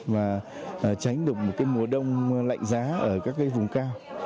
và tránh được một mùa đông lạnh giá ở các vùng cao